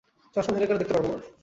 চশমা ভেঙ্গে গেলে দেখতে পারব না।